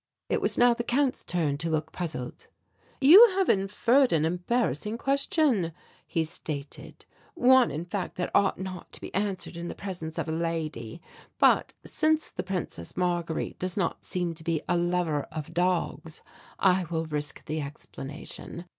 It was now the Count's turn to look puzzled. "You have inferred an embarrassing question," he stated, "one, in fact, that ought not to be answered in the presence of a lady, but since the Princess Marguerite does not seem to be a lover of dogs, I will risk the explanation.